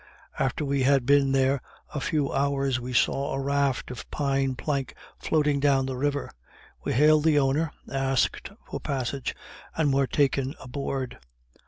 After we had been there a few hours we saw a raft of pine plank floating down the river; we hailed the owner, asked for a passage, and were taken aboard.